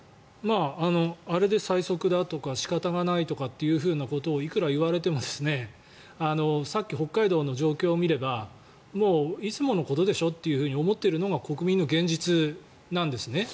あれで最速だとか仕方がないとかということをいくら言われてもさっき北海道の状況を見ればもういつものことでしょって思っているのが国民の現実なんですね。